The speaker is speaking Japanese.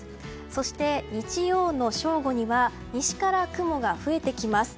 そして、日曜の正午には西から雲が増えてきます。